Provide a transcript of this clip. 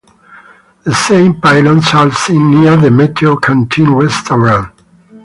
The same pylons are seen near the Meteor Canteen restaurant.